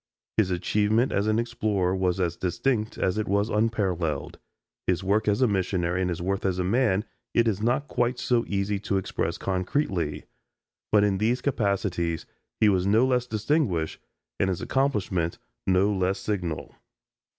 His achievement as an explorer was as distinct as it was unparalleled. His work as a missionary and his worth as a man it is not quite so easy to express concretely; but in these capacities he was no less distinguished and his accomplishment no less signal.